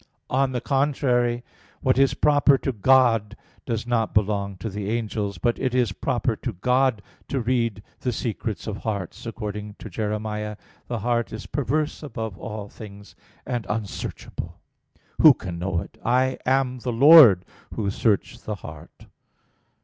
On the contrary, What is proper to God does not belong to the angels. But it is proper to God to read the secrets of hearts, according to Jer. 17:9: "The heart is perverse above all things, and unsearchable; who can know it? I am the Lord, Who search the heart."